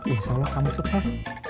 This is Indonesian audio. insya allah kamu sukses